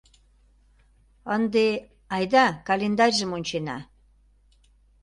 Ынде айда календарьжым ончена...